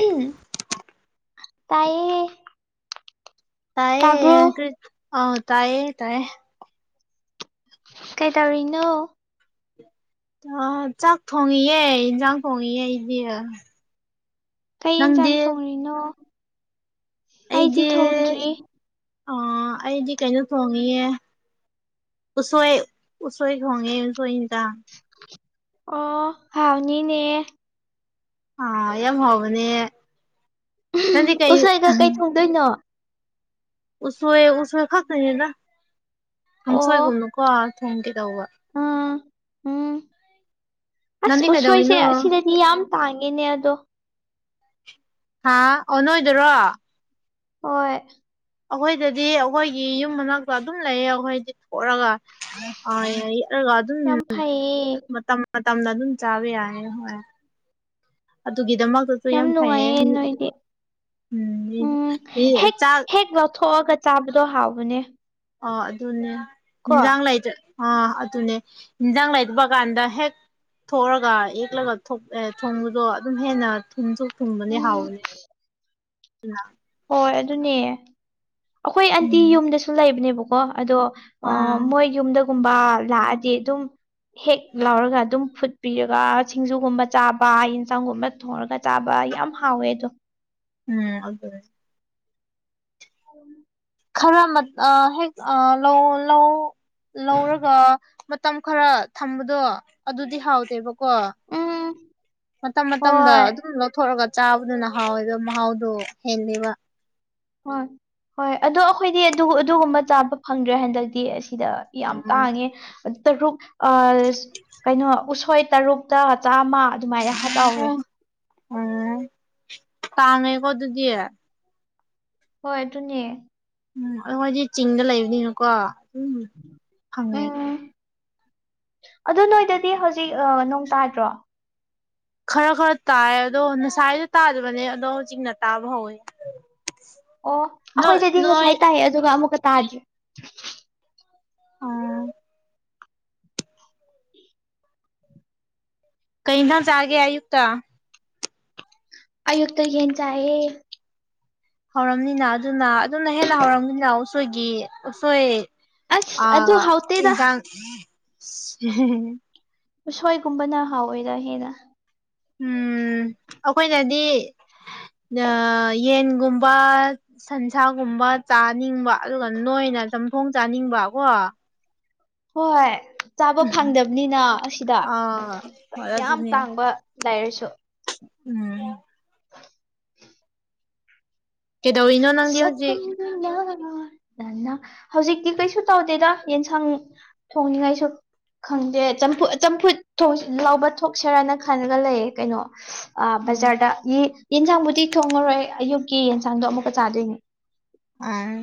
ꯎꯍꯝ ꯇꯥꯏꯌꯦ ꯇꯥꯕ꯭ꯔꯣ ꯇꯥꯏꯌꯦ ꯑ ꯇꯥꯏꯦ ꯇꯥꯏꯌꯦ ꯀꯩ ꯇꯧꯔꯤꯅꯣ ꯑ ꯆꯥꯛ ꯊꯣꯡꯉꯤꯌꯦ ꯍꯤꯟꯖꯥꯡ ꯊꯣꯡꯉꯤꯌꯦ ꯑꯩꯗꯤ ꯀꯩ ꯌꯦꯟꯁꯥꯡ ꯅꯪꯗꯤ ꯊꯣꯡꯂꯤꯔꯤꯅꯣ ꯑꯩꯗꯤ ꯊꯣꯡꯗ꯭ꯔꯤ ꯑꯣ ꯑꯩꯗꯤ ꯀꯩꯅꯣ ꯊꯣꯡꯉꯤꯌꯦ ꯎꯁꯣꯏ ꯎꯁꯣꯏ ꯈꯣꯡꯉꯦ ꯎꯁꯣꯏ ꯗ ꯑꯣ ꯍꯥꯎꯅꯤꯅꯦ ꯑ ꯌꯥꯝ ꯍꯥꯎꯕꯅꯦ ꯅꯪꯗꯤ ꯀꯩ ꯎꯁꯣꯏꯗꯣ ꯀꯩ ꯊꯣꯡꯗꯣꯏꯅꯣ ꯎꯁꯣꯏ ꯎꯁꯣꯏ ꯈꯛꯇꯅꯤꯗ ꯀꯥꯡꯁꯣꯏꯒꯨꯝꯅꯀꯣ ꯊꯦꯡꯒꯦ ꯇꯧꯕ ꯑ ꯎꯝ ꯑꯁ ꯅꯪꯗꯤ ꯎꯁꯣꯏꯁꯦ ꯀꯩꯗꯧꯔꯤꯅꯣ ꯑꯁꯤꯅꯠ ꯃꯤ ꯌꯥꯝ ꯇꯥꯡꯉꯦꯅꯦ ꯑꯗꯣ ꯍꯥ ꯑꯣ ꯅꯣꯢ ꯑꯣꯏꯗꯔꯣ ꯍꯣꯏ ꯑꯈꯣꯏꯗꯗꯤ ꯑꯒꯣꯏꯒꯤ ꯌꯨꯝ ꯃꯅꯥꯛꯇ ꯑꯗꯨꯝ ꯂꯩꯌꯦ ꯑꯈꯣꯏꯗꯤ ꯄꯣꯔꯑꯒ ꯑ ꯌꯥꯌꯤ ꯑꯗꯨꯒ ꯑꯗꯨꯝ ꯌꯥꯝ ꯐꯩꯌꯦ ꯃꯇꯝ ꯃꯇꯝꯅ ꯑꯗꯨꯝ ꯆꯥꯕ ꯌꯥꯏꯦ ꯍꯣꯏ ꯑꯗꯨꯒꯤꯗꯃꯛꯗꯠ ꯌꯥꯝ ꯅꯨꯡꯉꯥꯏꯌꯦ ꯅꯣꯏꯗꯤ ꯎꯝ ꯍꯦꯛ ꯆꯥꯛ ꯍꯦꯛ ꯂꯧꯊꯣꯛꯑꯒꯠ ꯆꯥꯕꯗꯣ ꯍꯥꯎꯕꯅꯦ ꯑꯣ ꯑꯗꯨꯅꯦ ꯀꯣ ꯌꯦꯟꯖꯥꯡ ꯂꯩꯗ ꯑꯥ ꯑꯗꯨꯅꯦ ꯏꯟꯖꯥꯡ ꯂꯩꯕ ꯀꯥꯟꯗ ꯍꯦꯛ ꯊꯣꯛꯑꯒ ꯌꯦꯛꯂꯒ ꯑꯦ ꯊꯣꯡꯕꯗꯣ ꯑꯗꯨꯝ ꯍꯦꯟꯅ ꯊꯨꯝꯁꯨ ꯊꯨꯝꯕꯅꯦ ꯎꯝ ꯍꯥꯎꯋꯅꯤ ꯑꯗꯨꯅ ꯍꯣꯏ ꯑꯗꯨꯅꯦ ꯑꯩꯈꯣꯏ ꯑꯟꯇꯤ ꯎꯝ ꯌꯨꯝꯗꯁꯨ ꯂꯩꯕꯅꯦꯕꯀꯣ ꯑꯗꯣ ꯑ ꯑꯥ ꯃꯣꯏ ꯌꯨꯝꯗꯒꯨꯝꯕ ꯂꯥꯛꯑꯗꯤ ꯑꯗꯨꯝ ꯍꯦꯛ ꯂꯥꯎꯔꯒ ꯑꯗꯨꯝ ꯐꯨꯠꯄꯤꯔꯒ ꯁꯤꯡꯖꯨꯒꯨꯝꯕ ꯆꯥꯕ ꯌꯦꯟꯁꯥꯡꯒꯨꯝꯕ ꯊꯣꯡꯔꯒ ꯆꯥꯕ ꯌꯥꯝ ꯍꯥꯎꯋꯦ ꯑꯗꯣ ꯎꯝ ꯑꯗꯨꯅꯦ [inaudible] ꯈꯔ ꯃꯠ ꯍꯦꯛ ꯂꯧ ꯂꯧ ꯂꯧꯔꯒ ꯃꯇꯝ ꯈꯔ ꯊꯝꯕꯗꯣ ꯑꯗꯨꯗꯤ ꯍꯥꯎꯗꯦꯕꯀꯣ ꯎꯝ ꯃꯇꯝ ꯃꯇꯝꯗ ꯍꯣꯏ ꯑꯗꯨꯝ ꯂꯧꯊꯣꯛꯑꯒ ꯆꯥꯕꯗꯨꯅ ꯍꯥꯎꯋꯦꯕ ꯃꯍꯥꯎꯗꯣ ꯍꯦꯜꯂꯤꯕ ꯍꯣꯏ ꯍꯣꯏ ꯑꯗꯣ ꯑꯈꯣꯏꯗꯤ ꯑꯗꯨ ꯑꯗꯨꯒꯨꯝꯕ ꯆꯥꯕ ꯐꯪꯗ꯭ꯔꯦ ꯍꯟꯗꯛꯗꯤ ꯑꯁꯤꯗ ꯑꯣ ꯌꯥꯝ ꯇꯥꯡꯉꯦ ꯇꯔꯨꯛ ꯀꯩꯅꯣ ꯎꯁꯣꯏ ꯇꯔꯨꯛ ꯍꯇꯥ ꯆꯥꯝꯃ ꯑꯗꯨꯃꯥꯏꯅ ꯍꯥꯇꯥꯎꯋꯦ ꯑꯣ ꯎꯝ ꯇꯥꯡꯉꯦꯀꯣ ꯑꯗꯨꯗꯤ ꯍꯣꯏ ꯑꯗꯨꯅꯦ ꯎꯝ ꯑꯗꯨ ꯍꯣꯏꯗꯤ ꯆꯤꯡꯗ ꯂꯩꯕꯅꯤꯅꯀꯣ ꯎ ꯐꯪꯉꯦ ꯑꯗꯨ ꯅꯣꯏꯗꯗꯤ ꯍꯧꯖꯤꯛ ꯅꯣꯡ ꯇꯥꯗ꯭ꯔꯣ ꯈꯔ ꯈꯔ ꯇꯥꯏꯌ ꯑꯗꯣ ꯅꯁꯥꯏꯗꯤ ꯇꯥꯗꯕꯟ ꯑꯣ ꯑꯩꯈꯣꯏꯗꯗꯤ ꯉꯁꯥꯏ ꯇꯥꯏꯑꯦ ꯑꯗꯨꯒ ꯑꯃꯨꯛꯀ ꯇꯥꯗ꯭ꯔꯤ ꯑꯣ ꯀꯩꯅꯅ ꯆꯥꯒꯦ ꯑꯌꯨꯛꯇ ꯑꯌꯨꯛꯇ ꯌꯦꯟ ꯆꯥꯢꯌꯦ ꯍꯧꯔꯝꯅꯤꯅ ꯑꯗꯨꯅ ꯑꯗꯨꯝꯅ ꯍꯦꯟꯅ ꯍꯧꯔꯝꯅꯤꯅ ꯎꯁꯣꯏꯒꯤ ꯎꯁꯣꯏ ꯑ ꯑꯁ ꯑꯗꯨ ꯍꯥꯎꯇꯦꯗ ꯏꯤꯟꯗꯥꯛ ꯎꯁꯣꯏꯒꯨꯝꯕꯅ ꯍꯥꯎꯋꯦꯔ ꯍꯦꯟꯅ ꯎꯝ ꯑꯈꯣꯏꯅꯗꯤ ꯅ ꯌꯦꯟꯒꯨꯝꯕ ꯁꯟꯁꯥꯒꯨꯝꯕ ꯆꯥꯅꯤꯡꯕ ꯑꯗꯨꯒ ꯅꯣꯏꯅ ꯆꯝꯊꯣꯡ ꯆꯥꯅꯤꯡꯕ ꯒꯣ ꯍꯣꯏ ꯆꯥꯕ ꯎꯝ ꯐꯪꯗꯕꯅꯤꯅ ꯑꯁꯤꯗ ꯑꯥ ꯍꯣꯏ ꯌꯥꯝ ꯑꯗꯨꯅꯦ ꯇꯥꯡꯕ ꯂꯥꯏꯔꯁꯨ ꯎꯝ ꯀꯩꯗꯧꯔꯤꯅꯣ ꯅꯪꯗꯤ ꯁꯠꯝ ꯍꯧꯖꯤꯛ ꯌꯥ ꯅꯅꯥ [inaudible] ꯍꯧꯖꯤꯛꯇꯤ ꯀꯩꯁꯨ ꯇꯧꯗꯦꯗ ꯌꯦꯟꯁꯥꯡ ꯊꯣꯡꯅꯤꯡꯉꯥꯏꯁꯨ ꯈꯪꯗꯦ ꯆꯝꯐꯨ ꯆꯝꯐꯨꯠ ꯊꯣꯛꯁ ꯂꯥꯎꯕ ꯊꯣꯛꯁꯤꯔꯅ ꯈꯜꯂꯒ ꯂꯩꯌꯦ ꯀꯩꯅꯣ ꯑ ꯎꯝ ꯕꯖꯥꯔꯗ ꯌꯦꯟꯁꯥꯡꯕꯨꯗꯤ ꯊꯣꯡꯉꯔꯣꯏ ꯑꯌꯨꯛꯀꯤ ꯌꯦꯟꯁꯥꯡꯗꯣ ꯑꯃꯨꯛꯀ ꯆꯥꯗꯣꯏꯅꯦ ꯎꯝ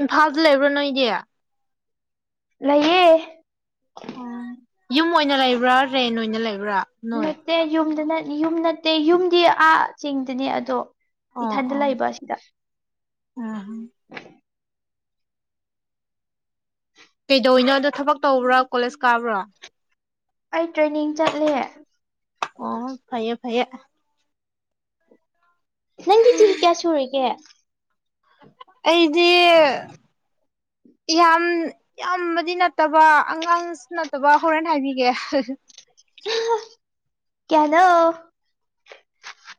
ꯏꯝꯐꯥꯜꯗ ꯂꯩꯕ꯭ꯔꯣ ꯅꯣꯏꯗꯤ ꯂꯩꯍꯦ ꯑꯣ ꯌꯨꯝ ꯑꯣꯏꯅ ꯂꯩꯕ꯭ꯔꯥ ꯔꯦꯟ ꯑꯣꯏꯅ ꯂꯩꯕ꯭ꯔꯥ ꯅꯣꯏ ꯅꯠꯇꯦ ꯌꯨꯝꯗ ꯅꯠ ꯌꯨꯝ ꯅꯠꯇꯦ ꯌꯨꯝꯗꯤ ꯑꯥ ꯆꯦꯡꯗꯅꯦ ꯑꯗꯣ ꯏꯊꯟꯗ ꯂꯥꯛꯏꯕ ꯑꯁꯤꯗ ꯑꯥ ꯍ [inaudible] ꯀꯩꯗꯧꯅꯣ ꯑꯗꯣ ꯊꯕꯛ ꯇꯧꯕ꯭ꯔꯥ ꯀꯣꯂꯦꯖ ꯀꯥꯕ꯭ꯔꯥ ꯑꯩ ꯇ꯭ꯔꯦꯅꯤꯡ ꯆꯠꯂꯦ ꯑꯣ ꯐꯩꯌꯦ ꯐꯩꯌꯦ ꯅꯪꯗꯤ ꯆꯍꯤ ꯀꯌꯥ ꯁꯨꯔꯒꯦ ꯑꯩꯗꯤ ꯌꯥꯝ ꯌꯥꯝꯕꯗꯤ ꯅꯠꯇꯕ ꯑꯉꯥꯡꯁꯨ ꯅꯠꯇꯕ ꯍꯣꯔꯦꯟ ꯍꯥꯏꯕꯤꯒꯦ ꯀꯌꯥꯅꯣ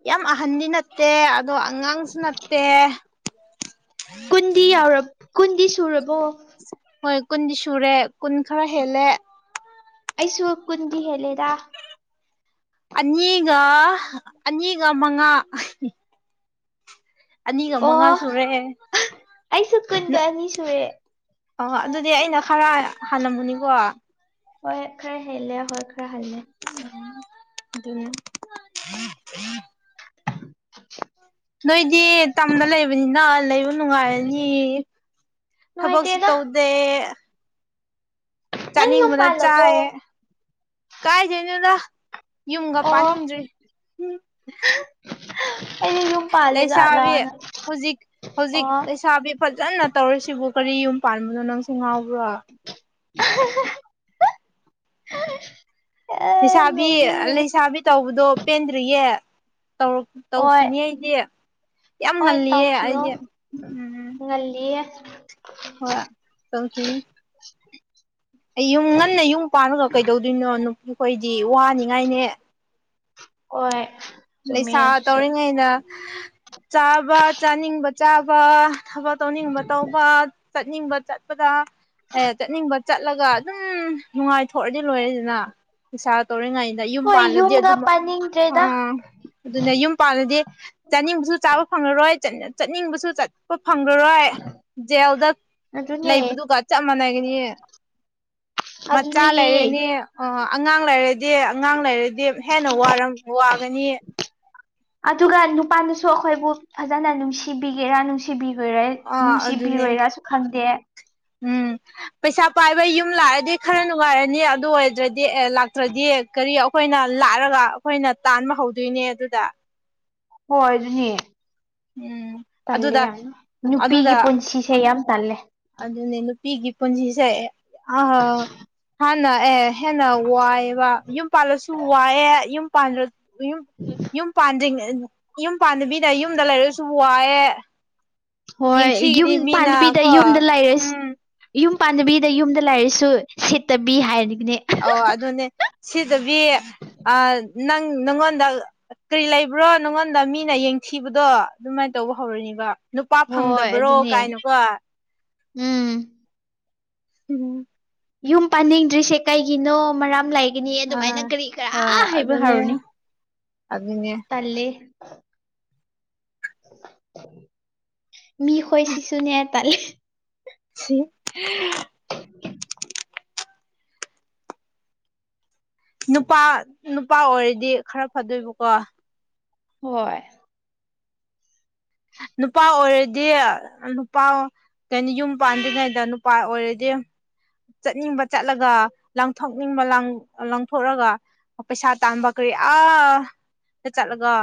ꯌꯥꯝ ꯑꯍꯟꯗꯤ ꯅꯠꯇꯦ ꯑꯗꯣ ꯑꯉꯥꯡꯁꯨ ꯅꯠꯇꯦ ꯀꯨꯟꯗꯤ ꯌꯥꯎꯔꯞ ꯀꯨꯟꯗꯤ ꯁꯨꯔꯕꯣ ꯍꯣꯏ ꯀꯨꯟꯗꯤ ꯁꯨꯔꯦ ꯀꯨꯟ ꯈꯔ ꯍꯦꯜꯂꯦ ꯑꯩꯁꯨ ꯀꯨꯟꯗꯤ ꯍꯦꯜꯂꯦꯗ ꯑꯅꯤꯒ ꯑꯅꯤꯒ ꯃꯉꯥ ꯑꯅꯤꯒ ꯃꯉꯥ ꯑꯣ ꯁꯨꯔꯦ ꯑꯩꯁꯨ ꯀꯨꯟꯒ ꯅꯠ ꯑꯅꯤ ꯁꯨꯔꯦ ꯑꯣ ꯑꯗꯨꯗꯤ ꯑꯩꯅ ꯈꯔ ꯍꯥꯟꯂꯝꯃꯨꯅꯤꯒꯣ ꯍꯣꯏ ꯍꯦ ꯈꯔꯦ ꯍꯦꯜꯂꯦ ꯍꯣꯏ ꯈꯔ ꯍꯜꯂꯦ ꯑꯗꯨꯟ [inaudible] [inaudible] ꯅꯣꯏꯗꯤ ꯇꯝꯗ ꯂꯩꯕꯅꯤꯅ ꯂꯩꯕ ꯅꯨꯡꯉꯥꯏꯔꯅꯤ ꯊꯕꯛꯁꯨ ꯅꯨꯡꯉꯥꯏꯇꯦꯗ ꯇꯧ ꯑꯦ ꯅꯪ ꯌꯨꯝ ꯆꯥꯅꯤꯡꯕꯅ ꯄꯥꯜꯂꯕꯣ ꯆꯥꯏꯌꯦ ꯀꯥꯏꯗꯩꯅꯣꯗ ꯌꯨꯝꯒ ꯑꯣ ꯄꯥꯅꯤꯡꯗ꯭ꯔꯤ ꯍꯝ ꯑꯩꯗꯤ ꯌꯨꯝ ꯄꯥꯜꯂꯦ ꯂꯩꯁꯥꯕꯤ ꯖꯥꯠꯂꯥꯅ ꯍꯨꯖꯤꯛ ꯍꯧꯖꯤꯛ ꯑꯣ ꯂꯩꯁꯥꯕꯤ ꯐꯖꯅ ꯇꯧꯔꯤꯁꯤꯕꯨ ꯀꯔꯤ ꯌꯨꯝ ꯄꯥꯟꯕꯅꯣ ꯅꯪꯁꯦ ꯉꯥꯎꯕ꯭ꯔꯥ ꯑ ꯍ ꯍ ꯍ [inaudible] ꯂꯩꯁꯥꯕꯤ ꯂꯩꯁꯥꯕꯤ ꯇꯧꯕꯗꯣ ꯄꯦꯟꯗ꯭ꯔꯤꯌꯦ ꯇꯧꯔꯛ ꯍꯣꯏ ꯇꯧꯈꯤꯅꯤ ꯑꯩꯗꯤ ꯌꯥꯝ ꯍꯣꯏ ꯉꯜꯂꯤꯌꯦ ꯇꯧꯈꯤꯌꯣ ꯑꯩꯗꯦ ꯎꯝ ꯉꯜꯂꯤꯌꯦ ꯍꯣꯏ ꯇꯧꯈꯤꯅꯤ [unintelligible] ꯑꯩ ꯌꯨꯝ ꯉꯟꯅ ꯌꯨꯝ ꯄꯥꯡꯉꯒ ꯀꯩꯗꯧꯗꯣꯏꯅꯣ ꯅꯨꯄꯤꯈꯣꯏꯗꯤ ꯋꯥꯅꯤꯡꯉꯥꯏꯅꯦ ꯍꯣꯢ ꯂꯩꯁꯥ ꯇꯧꯔꯤꯉꯩꯩꯅ ꯆꯥꯕ ꯆꯥꯅꯤꯡꯕ ꯆꯥꯕ ꯊꯕꯛ ꯇꯧꯅꯤꯡꯕ ꯇꯧꯕ ꯆꯠꯅꯤꯡꯕ ꯆꯠꯄꯗ ꯆꯠꯅꯤꯡꯕ ꯆꯠꯂꯒ ꯑꯗꯨꯝ ꯅꯨꯡꯉꯥꯏꯊꯣꯛꯔꯗꯤ ꯂꯣꯏꯔꯦ ꯗ ꯅ ꯏꯁꯁꯥꯜ ꯇꯧꯔꯤꯉꯩꯗ ꯌꯨꯝ ꯍꯣꯏ ꯄꯥꯜꯂꯗꯤ ꯌꯨꯝꯒ ꯑꯗꯨꯝ ꯑ ꯄꯥꯅꯤꯡꯗ꯭ꯔꯦꯗ ꯑꯗꯨꯅꯦ ꯌꯨꯝ ꯄꯥꯜꯂꯗꯤ ꯆꯥꯅꯤꯡꯕꯁꯨ ꯆꯥꯕ ꯐꯪꯔꯔꯣꯏ ꯆꯠ ꯆꯠꯅꯤꯡꯕꯁꯨ ꯆꯠ ꯐꯪꯉꯔꯣꯏ ꯖꯦꯜꯗ ꯑꯗꯨꯅꯦ ꯂꯩꯕꯗꯨꯒ ꯆꯞ ꯃꯥꯟꯅꯩꯒꯅꯤ ꯃꯆꯥ ꯑꯗꯨꯅꯦ ꯂꯩꯔꯦꯅꯦ꯫ ꯑꯣ ꯑꯉꯥꯡ ꯂꯩꯔꯗꯤ ꯑꯉꯥꯡ ꯂꯩꯔꯗꯤ ꯍꯦꯟꯅ ꯋꯥꯒꯅꯤ ꯫ ꯑꯗꯨꯒ ꯅꯨꯄꯥꯅꯁꯨ ꯑꯩꯈꯣꯏꯕꯨ ꯐꯖꯅ ꯅꯨꯡꯁꯤꯕꯤꯒꯦꯔꯥ ꯅꯨꯡꯁꯤ ꯁꯤꯕꯤꯔꯣꯏꯔꯥ ꯑꯥ ꯑꯗꯨꯅꯦ ꯅꯨꯡꯁꯤꯕꯤꯔꯣꯏꯔꯥꯁꯨ ꯈꯪꯗꯦ ꯎꯝ ꯄꯩꯁꯥ ꯄꯥꯏꯕ ꯌꯨꯝ ꯂꯥꯛꯑꯗꯤ ꯈꯔ ꯅꯨꯡꯉꯥꯏꯔꯅꯤ ꯑꯗꯨ ꯑꯣꯏꯗ꯭ꯔꯗꯤ ꯑꯦ ꯂꯥꯛꯇ꯭ꯔꯗꯤ꯫ ꯀꯔꯤ ꯑꯩꯈꯣꯏꯅ ꯂꯥꯛꯑꯒ ꯑꯩꯈꯣꯏꯅ ꯇꯥꯟꯕ ꯍꯧꯗꯣꯏꯅꯦ ꯑꯗꯨꯗ ꯍꯣꯏ ꯑꯗꯨꯅꯦ꯫ ꯎꯝ ꯇꯜꯂꯦ ꯑꯗꯨꯗ ꯌꯥꯝꯅ ꯅꯨꯄꯤꯒꯤ ꯑꯗꯨꯗ ꯄꯨꯟꯁꯤꯁꯦ ꯌꯥꯝ ꯇꯜꯂꯦ꯫ ꯑꯗꯨꯅꯦ ꯅꯨꯄꯤꯒꯤ ꯄꯨꯟꯁꯤꯁꯦ ꯑ ꯍꯥꯟꯅ ꯑꯦ ꯍꯦꯟꯅ ꯋꯥ ꯋꯥꯌꯦꯕ ꯌꯨꯝ ꯄꯜꯁꯁꯨ ꯋꯥ ꯌꯨꯝ ꯄ ꯎꯝ ꯌꯨꯝ ꯄꯥꯟꯗ꯭ꯔꯤꯉꯩ ꯌꯨꯝ ꯄꯥꯟꯗꯕꯤꯗ ꯌꯨꯝꯗ ꯂꯩꯔꯁꯨ ꯋꯥꯑꯦ ꯫ ꯍꯣꯏ ꯌꯨꯝ ꯄꯥꯟꯗꯕꯤꯗ ꯌꯨꯝꯗ ꯂꯩꯔꯁꯤ꯫ ꯌꯨꯝ ꯄꯥꯟꯗꯕꯤ ꯌꯨꯝꯗ ꯂꯥꯏꯔꯁꯨ ꯁꯦꯠꯇꯕꯤ ꯍꯥꯏꯔꯅꯤꯡꯅꯦ꯫ ꯑꯧ ꯑꯗꯨꯅꯦ ꯁꯤꯗꯕꯤ ꯑ ꯅꯪ ꯅꯪꯉꯣꯟꯗ꯫ ꯀꯔꯤ ꯂꯩꯕ꯭ꯔꯣ ꯅꯪꯉꯣꯟꯗ ꯃꯤꯅ ꯌꯦꯡꯊꯤꯕꯗꯣ ꯑꯗꯨꯃꯥꯏꯅ ꯇꯧꯕ ꯍꯧꯔꯅꯤꯒ ꯅꯨꯄꯥ ꯍꯣꯏ ꯐꯪꯗꯕ꯭ꯔꯣ ꯑꯗꯨꯅꯦ ꯀꯥꯏꯅꯣꯀꯣ ꯎꯝ꯫ ꯎꯝ ꯌꯨꯝ ꯄꯥꯅꯤꯡꯗ꯭ꯔꯤꯁꯦ ꯀꯩꯒꯤꯅꯣ ꯃꯔꯝ ꯂꯩ ꯒꯤꯅꯤ ꯑꯗꯨꯃꯥꯏꯅ ꯀꯔꯤ ꯍꯣꯏ ꯀꯔꯥ ꯍꯥꯏꯕ ꯑꯗꯨꯅꯦ ꯍꯧꯔꯅꯤ ꯑꯗꯨꯅꯦ ꯇꯜꯂꯦ ꯃꯤꯈꯣꯏꯁꯤꯁꯨꯨꯅꯦ ꯇꯥꯟꯂꯦ ꯁꯤ [inaudible] ꯅꯨꯄꯥ ꯅꯨꯄꯥ ꯑꯣꯏꯔꯗꯤ ꯈꯔ ꯐꯗꯣꯏꯕꯀꯣ ꯍꯣꯏ ꯅꯨꯄꯥ ꯑꯣꯏꯔꯗꯤ ꯅꯨꯄꯥ ꯀꯩꯅꯣ ꯌꯨꯝ ꯄꯥꯟꯗ꯭ꯔꯤꯉꯩꯗ ꯅꯨꯄꯥ ꯑꯣꯏꯔꯗꯤ꯫ ꯆꯠꯅꯤꯡꯕ ꯆꯠꯂꯒ ꯂꯪꯊꯣꯛꯅꯤꯡꯕ ꯂꯪꯊꯣꯛꯑꯒ ꯑ ꯄꯩꯁꯥ ꯇꯝꯕ ꯀꯔꯤ ꯑ ꯆꯠꯂꯒ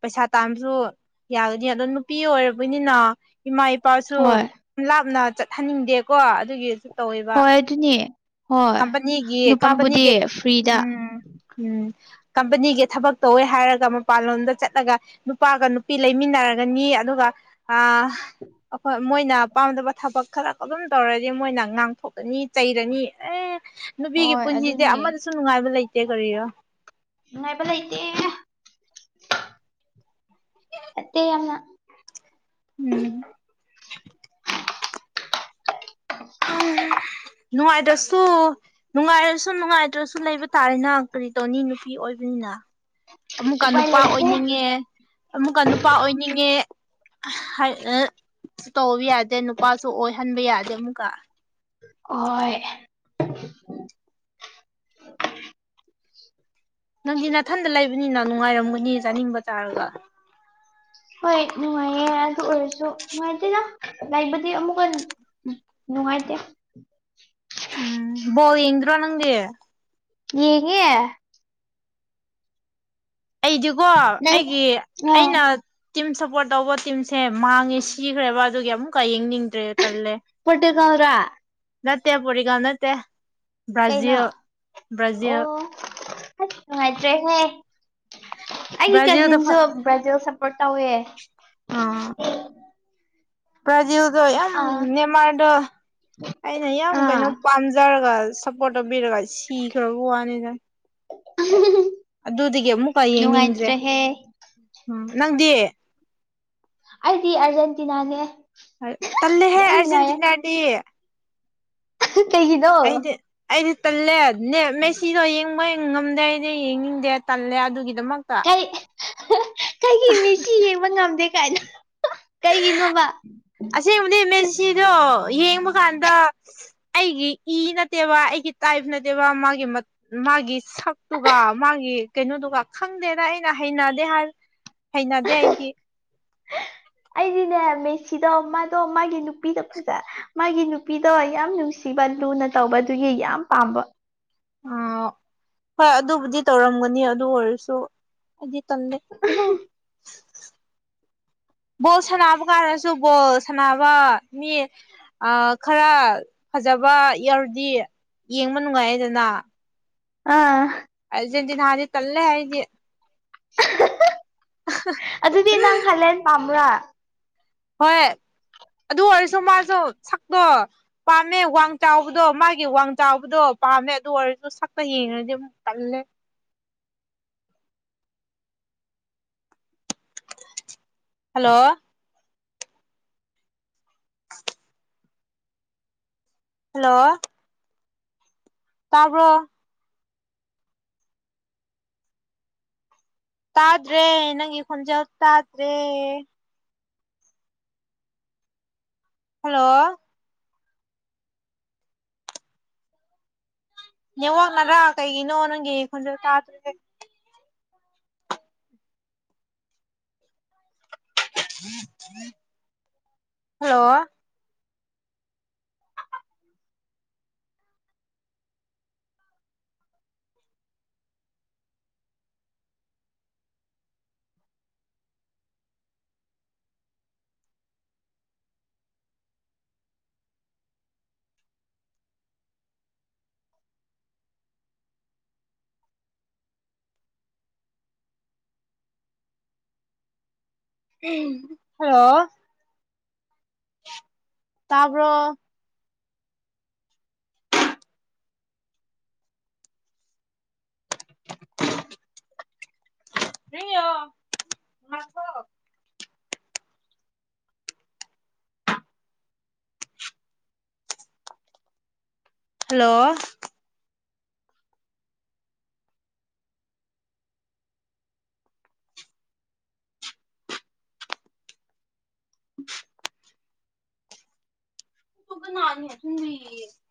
ꯄꯩꯁꯥ ꯇꯥꯥꯟꯕꯁꯨ ꯌꯥꯒꯅꯤ ꯑꯗꯨ꯫ ꯅꯨꯄꯤ ꯑꯣꯏꯔꯕꯅꯤꯅ ꯏꯃꯥ ꯏꯄꯥꯁꯨ ꯍꯣꯏ ꯂꯥꯞꯅ ꯆꯠꯍꯟꯅꯤꯡꯗꯦꯀꯣ ꯑꯗꯨꯒꯤ꯫ ꯇꯧꯋꯦꯕ ꯍꯣꯏ ꯑꯗꯨꯅꯦ ꯍꯣꯏ ꯀꯝꯄꯅꯤꯒꯤ ꯀꯝꯄꯅꯤꯒꯤ ꯅꯨꯄꯥꯕꯨꯗꯤ ꯐ꯭ꯔꯤꯗ ꯎꯝ ꯎꯝ ꯀꯝꯄꯅꯤꯒꯤ ꯊꯕꯛ ꯇꯧꯋꯦ ꯍꯥꯏꯔꯒ ꯃꯄꯥꯟꯂꯣꯝꯗ ꯆꯠꯂꯒ ꯅꯨꯄꯥꯒ ꯅꯨꯄꯤ ꯂꯩꯃꯤꯟꯅꯔꯒ ꯅꯤ ꯑꯗꯨꯒ ꯑ ꯑꯩꯈꯣꯏ ꯃꯣꯏꯅ ꯄꯥꯝꯗꯕ ꯊꯕꯛ ꯈꯔ ꯑꯗꯨꯝ ꯇꯧꯔꯗꯤ ꯃꯣꯏꯅ ꯉꯥꯡꯊꯣꯛꯀꯅꯤ꯫ ꯆꯩꯔꯅꯤ ꯑꯦ ꯅꯨꯄꯤꯒꯤ ꯍꯣꯏ ꯄꯨꯟꯁꯤꯁꯦ ꯑꯗꯨꯅꯦ ꯑꯃꯗꯁꯨ ꯅꯨꯡꯉꯥꯏꯕ ꯂꯩꯇꯦ ꯀꯔꯤꯔꯣ ꯅꯨꯡꯉꯥꯏꯕ ꯂꯩꯥꯏꯇꯦ ꯐꯠꯇꯦ ꯌꯥꯝꯅ꯫ ꯎꯝ ꯅꯨꯡꯉꯥꯏꯗꯁꯨ ꯅꯨꯡꯉꯥꯏꯔꯁꯨ ꯅꯨꯡꯉꯥꯏ ꯏꯇ꯭ꯔꯁꯨ ꯂꯩꯕ ꯇꯥꯔꯦꯅ ꯀꯔꯤ ꯇꯧꯅꯤ ꯅꯨꯄꯤ ꯑꯣꯏꯕꯅꯤꯅ ꯑꯃꯨꯛꯀ ꯎꯄꯥꯏ ꯅꯨꯄꯥ ꯂꯩꯇꯦ ꯑꯣꯏꯅꯤꯡꯉꯦ ꯑꯃꯨꯛꯀ ꯅꯨꯄꯥ ꯑꯣꯏꯅꯤꯡꯉꯦ ꯍꯥꯏ ꯑ ꯁꯨ ꯇꯧꯕ ꯌꯥꯗꯦ ꯅꯨꯄꯥꯁꯨ ꯑꯣꯏꯍꯟꯕ ꯌꯥꯗꯦ ꯑꯃꯨꯛꯀ ꯍꯣꯏ꯫ [inaudible] ꯅꯪꯗꯤ ꯅꯥꯊꯟꯗ ꯂꯩꯕꯅꯤꯅ ꯅꯨꯡꯉꯥꯏꯔꯝꯒꯅꯤ ꯆꯥꯅꯤꯡꯕ ꯇꯥꯔꯒ ꯍꯣꯏ ꯅꯨꯡꯉꯥꯏꯌꯦ ꯑꯗꯨ ꯑꯣꯏꯔꯁꯨ ꯅꯨꯡꯉꯥꯏꯇꯦꯗ ꯂꯩꯕꯗꯤ ꯑꯃꯨꯛꯀ ꯍ ꯎ ꯅꯨꯡꯉꯥꯏꯗꯦ ꯎꯝ ꯕꯜ ꯌꯦꯡꯗ꯭ꯔꯣ ꯅꯪꯗꯤ ꯌꯦꯡꯉꯦ ꯑꯩꯗꯤꯀꯣ ꯅꯪ ꯑꯩꯒꯤ ꯑ ꯑꯩꯅ꯫ ꯇꯤꯝ ꯁꯞꯄꯣꯔꯠ ꯇꯧꯕ ꯇꯤꯝꯁꯦ ꯃꯥꯡꯉꯦ ꯁꯤꯈ꯭ꯔꯦꯕ ꯑꯗꯨꯒꯤ ꯑꯃꯨꯛꯀ ꯌꯦꯡꯅꯤꯡꯗ꯭ꯔꯦ ꯇꯜꯂꯦ ꯄꯇꯒꯥꯎ꯭ꯔꯥ ꯅꯠꯇꯦ ꯄꯨꯔꯤꯒ ꯅꯠꯇꯦ ꯀꯩꯅꯣ ꯕ꯭ꯔꯥꯖꯤꯜ ꯕ꯭ꯔꯖꯤꯜ ꯑꯣ ꯑꯁ ꯅꯨꯡꯉꯥꯏꯇ꯭ꯔꯦꯍꯦ ꯑꯩꯒꯤ ꯕ꯭ꯔꯥꯖꯤꯜꯗ ꯐ ꯀꯖꯤꯟꯁꯨ ꯕ꯭ꯔꯥꯖꯤꯜ ꯁꯞꯄꯣꯔꯠ ꯇꯧꯋꯦ ꯑꯥ꯫ ꯕ꯭ꯔꯥꯖꯤꯜꯗꯣ ꯌꯥꯝ ꯑꯥ ꯃꯦꯟꯃꯥꯔꯗꯣ ꯑꯩꯅ ꯌꯥꯝ ꯑꯥ ꯀꯩꯅꯣ ꯄꯥꯝꯖꯔꯒ ꯁꯞꯄꯣꯠꯇꯧꯕꯤꯔꯒ ꯁꯤꯈ꯭ꯔꯕ ꯋꯥꯅꯤꯗ꯫ [inaudible] ꯑꯗꯨꯗꯒꯤ ꯑꯃꯨꯛꯀ ꯌꯦꯡꯅꯤꯡꯗ꯭ꯔꯦ ꯅꯨꯡꯉꯥꯏꯇ꯭ꯔꯦꯍꯦ ꯎꯝ ꯅꯪꯗꯤ ꯑꯩꯗꯤ ꯑꯥꯔꯖꯦꯟꯇꯤꯅꯥꯅꯦ ꯇꯜꯂꯦꯍꯦ ꯌꯥꯝ ꯅꯨꯡꯉꯥꯏꯌꯦ ꯑꯔꯖꯦꯟꯇꯤꯅꯥꯗꯤ ꯀꯗꯣ [unintelligible] ꯑꯩꯗꯤ ꯑꯩꯗꯤ ꯇꯜꯂꯦ ꯅꯦ ꯃꯦꯁꯤꯗꯣ ꯌꯦꯡꯕ ꯉꯝꯗꯦ ꯑꯩꯗꯤ ꯌꯦꯡꯅꯤꯡꯗꯦ ꯇꯜꯂꯦ ꯑꯗꯨꯒꯤꯗꯃꯛ ꯀꯩ ꯀꯩꯒꯤ ꯃꯦꯁꯤ ꯌꯦꯡꯕ ꯉꯝꯗꯦ ꯀꯥꯏꯅ꯫ ꯀꯩꯒꯤꯅꯣꯝꯕ꯫ ꯑꯁꯦꯡꯕꯗꯤ ꯃꯦꯁꯤꯗꯣ ꯌꯦꯡꯕ ꯀꯥꯟꯗ ꯑꯩꯒꯤ ꯏ ꯅꯠꯇꯦꯕ ꯑꯩꯒꯤ ꯇꯥꯏꯐ ꯅꯠꯇꯦꯕ ꯃꯥꯒꯤ ꯃꯥꯒꯤ ꯁꯛꯇꯨꯒ ꯃꯥꯒꯤ ꯀꯩꯅꯣꯗꯨꯒ ꯈꯪꯗꯦꯅ ꯑꯩꯅ ꯍꯩꯅꯗꯦ ꯍꯥꯏ ꯫ ꯍꯩꯅꯗꯦ ꯑꯩꯗꯤ꯫ ꯑꯩꯗꯤꯅꯦ ꯃꯦꯁꯤꯗꯣ ꯃꯥꯗꯣ ꯃꯥꯒꯤ ꯅꯨꯄꯤꯗꯣ ꯐꯖ꯫ ꯃꯥꯒꯤ ꯅꯨꯄꯤꯗꯣ ꯌꯥꯝ ꯅꯨꯡꯁꯤꯕ ꯂꯨꯅ ꯇꯧꯕꯗꯨꯒꯤ ꯌꯥꯝ ꯄꯥꯝꯕ ꯑꯥ ꯍꯣꯏ ꯑꯗꯨꯕꯨꯗꯤ ꯇꯧꯔꯝꯒꯅꯤ ꯑꯗꯨ ꯑꯣꯏꯔꯁꯨ ꯍꯥꯏꯗꯤ꯫ ꯇꯟꯂꯦ꯫ ꯕꯣꯜ ꯁꯥꯟꯅꯕ ꯀꯥꯟꯗꯁꯨ ꯕꯣꯜ ꯁꯥꯟꯅꯕ ꯃꯤ꯫ ꯈꯔ ꯐꯖꯕ ꯌꯥꯎꯔꯗꯤ ꯌꯦꯡꯕ ꯅꯨꯡꯉꯥꯏꯗꯅ ꯑꯥ ꯑꯔꯖꯦꯟꯇꯤꯅꯥꯗꯤ ꯇꯜꯂꯦ ꯑꯥꯏꯗꯤ꯫ ꯑꯗꯨꯗꯤ ꯅꯪ ꯍꯂꯦꯟ ꯄꯥꯝꯕ꯭ꯔꯥ ꯍꯣꯏ ꯑꯗꯨ ꯑꯣꯏꯔꯁꯨ ꯃꯥꯁꯨ ꯁꯛꯇꯣ ꯄꯥꯝꯃꯦ ꯋꯥꯡ ꯆꯥꯎꯕꯗꯣ ꯃꯥꯒꯤ ꯋꯥꯡ ꯆꯥꯎꯕꯗꯣ ꯄꯥꯝꯃꯦ ꯑꯗꯨ ꯑꯣꯏꯔꯁꯨ ꯁꯛꯇ ꯌꯦꯡꯉꯗꯤ ꯇꯜꯂꯦ꯫ Hello hello. ꯇꯥꯕ꯭ꯔꯣ ꯇꯥꯗ꯭ꯔꯦ ꯅꯪꯒꯤ ꯈꯣꯟꯖꯦꯜ ꯇꯥꯗ꯭ꯔꯦ ꯍꯜꯂꯣ꯫ ꯅꯦꯠꯋꯥꯛ ꯅꯔꯥ ꯀꯩꯒꯤꯅꯣ ꯅꯪꯒꯤ ꯈꯣꯟꯖꯦꯜ ꯇꯥꯗ꯭ꯔꯤꯁꯦ꯫ ꯍꯜꯂꯣ ꯍꯜꯂꯣ ꯇꯕꯔꯣ꯫ ꯍ ꯉꯊ [unintelligible] ꯍꯜꯂꯣ [unintelligible]